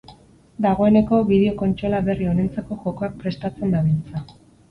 Dagoeneko bideo-kontsola berri honentzako jokoak prestatzen dabiltza.